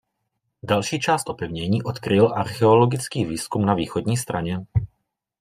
Další část opevnění odkryl archeologický výzkum na východní straně.